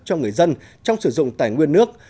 cho người dân trong sử dụng tài nguyên nước